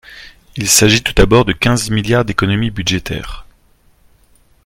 Il s’agit tout d’abord de quinze milliards d’économies budgétaires.